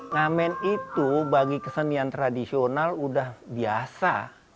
ngamen itu bagi kesenian tradisional udah biasa